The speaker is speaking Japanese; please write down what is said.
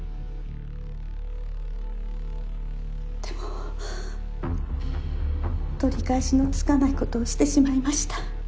でも取り返しのつかないことをしてしまいました。